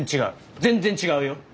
全然違うよ。